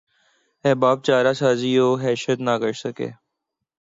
احباب چارہ سازی وحشت نہ کر سکے